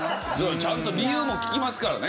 ちゃんと理由も聞きますからね。